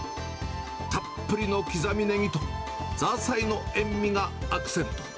たっぷりの刻みネギとザーサイの塩味がアクセント。